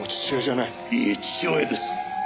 いいえ父親です。